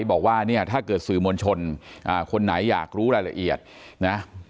บอกว่าเนี่ยถ้าเกิดสื่อมวลชนคนไหนอยากรู้รายละเอียดนะ